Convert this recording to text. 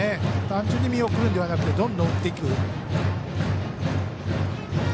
単純に見送るのではなくてどんどん打っていく。